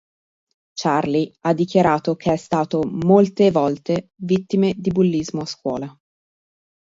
Charlie ha dichiarato che è stato molte volte vittima di bullismo a scuola.